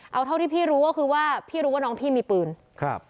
เอาเท่าที่พี่รู้ก็คือว่าพี่รู้ว่าน้องพี่มีปืนครับ